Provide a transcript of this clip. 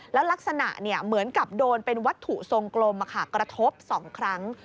แล้วลักษณะเหมือนกับโดนเป็นวัตถุทรงกลมกระทบ๒ครั้ง